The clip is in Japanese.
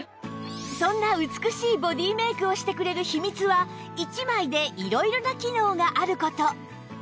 そんな美しいボディーメイクをしてくれる秘密は１枚で色々な機能がある事